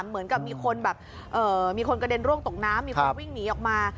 เหมือนกับมีคนแบบมีคนกระเด็นร่วงตกน้ำมีคนวิ่งหนีออกมา